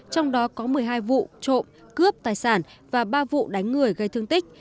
trong đó có một mươi hai vụ trộm cướp tài sản và ba vụ đánh người gây thương tích